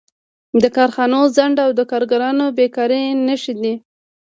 د کارخانو ځنډ او د کارګرانو بېکاري نښې دي